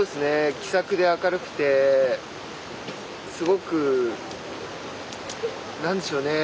気さくで明るくてすごく、なんでしょうね